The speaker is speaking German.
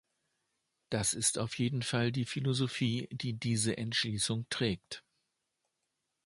Das ist auf jeden Fall die Philosophie, die diese Entschließung trägt.